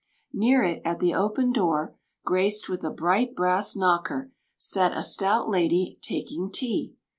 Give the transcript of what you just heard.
Near it at the open door (graced with a bright brass knocker) sat a stout lady taking tea.